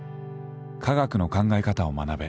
科学の考え方を学べ。